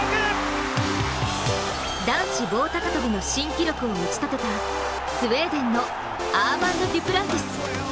男子棒高跳びの新記録を打ち立てたスウェーデンのアーマンド・デュプランティス。